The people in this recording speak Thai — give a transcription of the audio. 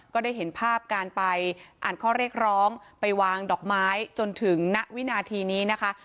ก็ได้เห็นภาพการไปอ่านข้อเรียกร้องไปวางดอกไม้จนถึงณวินาทีนี้นะคะ